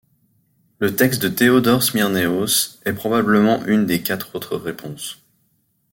Le texte de Théodore Smyrnaios est probablement une des quatre autres réponses.